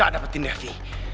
aku sudah dapatkan devi